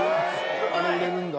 あれ売れるんだ。